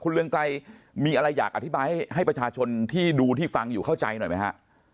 เรืองไกรมีอะไรอยากอธิบายให้ประชาชนที่ดูที่ฟังอยู่เข้าใจหน่อยไหมฮะ